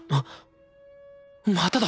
・まただ！